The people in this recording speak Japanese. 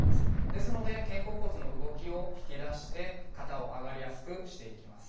ですので肩甲骨の動きを引き出して肩を上がりやすくしていきます。